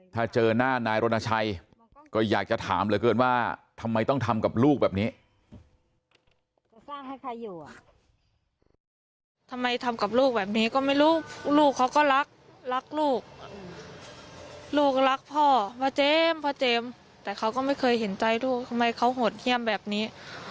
ถ้าเจอหน้านายรณชัยก็อยากจะถามเหลือเกินว่าทำไมต้องทำกับลูกแบบนี้